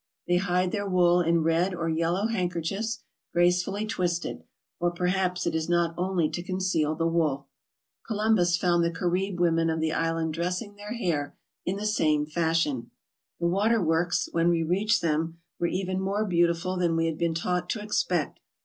They hide their wool in red or yellow handkerchiefs, gracefully twisted ; or perhaps it is not only to conceal the wool. Columbus found the Carib women of the island dressing their hair in the same fashion. The water works, when we reached them, were even more beautiful than we had been taught to expect.